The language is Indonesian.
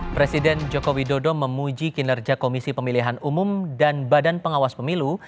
presiden joko widodo memuji kinerja komisi pemilihan umum dan badan pengawas pemilu